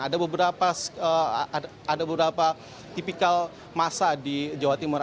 ada beberapa tipikal masa di jawa timur